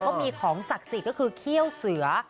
เขามีของศักดิ์ศีรกษ์ก็คือเครี่ยวเสือ